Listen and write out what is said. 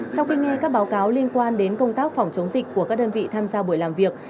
sau khi nghe các báo cáo liên quan đến công tác phòng chống dịch của các đơn vị tham gia buổi làm việc